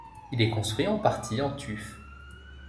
Il est construit en partie en tuf.